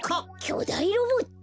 きょだいロボット？